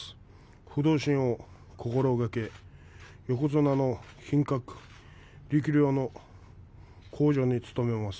不動心を心がけ、横綱の品格、力量の向上に努めます。